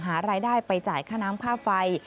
หารายได้ไปจ่ายค่าน้ำค่าไฟ